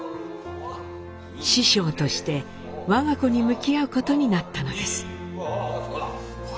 師匠として我が子に向き合うことになったのです。